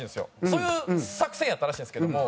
そういう作戦やったらしいんですけども。